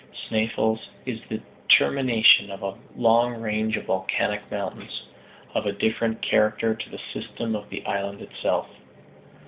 Sneffels is the termination of a long range of volcanic mountains, of a different character to the system of the island itself.